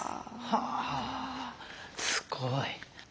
はあすごい。